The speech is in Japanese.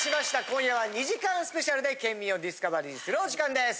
今夜は２時間スペシャルで県民をディスカバリーするお時間です。